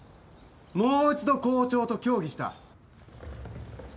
もう一度校長と協議した。